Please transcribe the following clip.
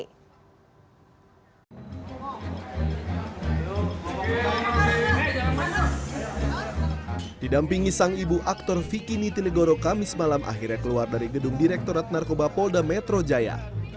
pemirsa aktor vicky nitinegoro akhirnya keluar dari dalam gedung direkturat narkoba polda metro jaya